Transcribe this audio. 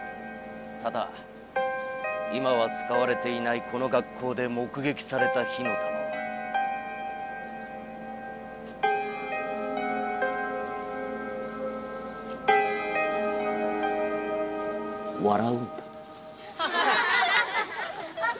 ただ今はつかわれていないこの学校でもくげきされた火の玉は。笑うんだ。